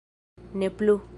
Ne plu.